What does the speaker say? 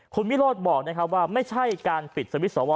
คุณมิโรธบอกว่าไม่ใช่การปิดสวิทย์สว